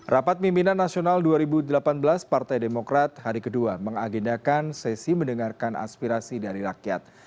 rapat pimpinan nasional dua ribu delapan belas partai demokrat hari kedua mengagendakan sesi mendengarkan aspirasi dari rakyat